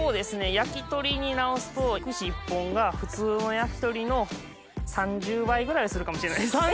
焼き鳥に直すと串１本が普通の焼き鳥の３０倍ぐらいするかもしれない。